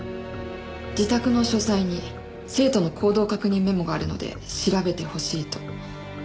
自宅の書斎に生徒の行動確認メモがあるので調べてほしいと。